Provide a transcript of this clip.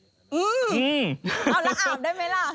เอาละอาบได้ไหมล่ะ